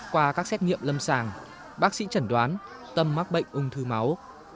qua các xét nghiệm lâm sàng bác sĩ chẩn đoán tâm mắc bệnh ung thư máu